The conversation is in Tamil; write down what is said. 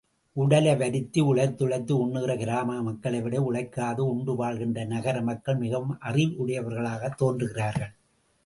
உடலை வருத்தி, உழைத்துழைத்து உண்ணுகின்ற கிராம மக்களைவிட, உழைக்காது உண்டு வாழ்கின்ற நகர மக்கள் மிகவும் அறிவுடையார்களாகத் தோன்றுகிறார்கள்.